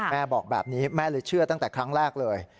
แม่บอกแบบนี้แม่เลยเชื่อตั้งแต่ครั้งแรกเลย